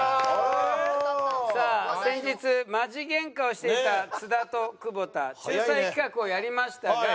さあ先日マジゲンカをしていた津田と久保田仲裁企画をやりましたが。